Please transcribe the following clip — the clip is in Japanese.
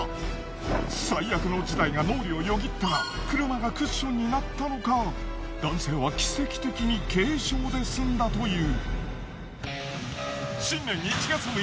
最悪の事態が脳裏をよぎったが車がクッションになったのか男性は奇跡的に軽傷で済んだという。